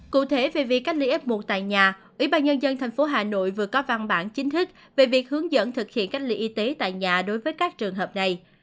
cụ thể về việc cách ly f một tại nhà ủy ban nhân dân tp hà nội vừa có văn bản chính thức về việc hướng dẫn thực hiện cách ly y tế tại nhà đối với các trường hợp này